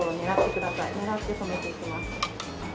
狙って染めていきます。